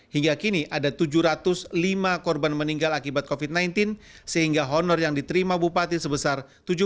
hingga kini ada tujuh ratus lima korban meninggal akibat covid sembilan belas sehingga honor yang diterima bupati sebesar